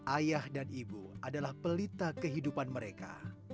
ayah dan ibu adalah pelita kehidupan mereka